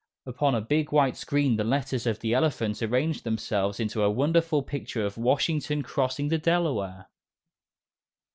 Upon a big white screen the letters of the alphabet arranged themselves into a wonderful picture of Washington Crossing the Delaware.